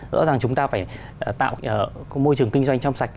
rõ ràng chúng ta phải tạo môi trường kinh doanh trong sạch